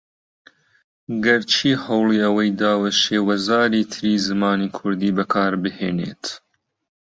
گەر چی ھەوڵی ئەوەی داوە شێوەزاری تری زمانی کوردی بەکاربھێنێت